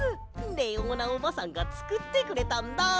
レオーナおばさんがつくってくれたんだ！